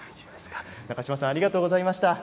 中嶋さんありがとうございました。